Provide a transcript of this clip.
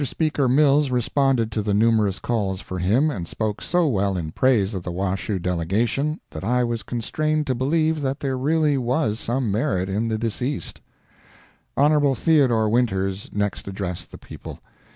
Speaker Mills responded to the numerous calls for him, and spoke so well in praise of the Washoe delegation that I was constrained to believe that there really was some merit in the deceased. Hon. Theodore Winters next addressed the people.